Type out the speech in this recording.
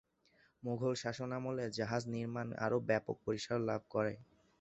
মোগল শাসনামলে জাহাজ নির্মাণ আরো ব্যপক পরিসর লাভ করে।